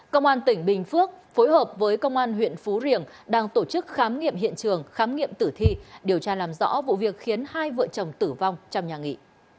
công an tỉnh bình phước phối hợp với công an huyện phú riềng đang tổ chức khám nghiệm hiện trường khám nghiệm tử thi điều tra làm rõ vụ việc khiến hai vợ chồng tử vong trong nhà nghị